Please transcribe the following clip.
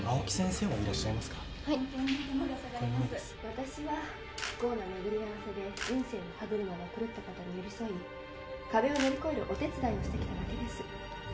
私は不幸な巡り合わせで人生の歯車が狂った方に寄り添い壁を乗り越えるお手伝いをしてきただけです。